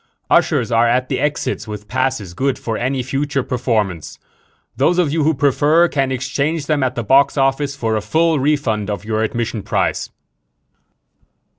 "Ushers are at the exits with passes good for any future performance. Those of you who prefer can exchange them at the box office for a full refund of your admission price."